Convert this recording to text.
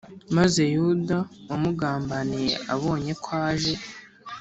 Maze Yuda wamugambaniye abonye ko aje